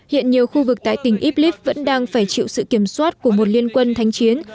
hiện nhiều khu vực tại tỉnh iblis vẫn đang phải chịu sự kiểm soát của một liên quân thánh chiến